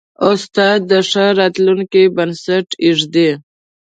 استاد د ښه راتلونکي بنسټ ایږدي.